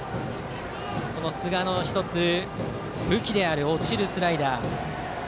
寿賀の１つの武器である落ちるスライダー。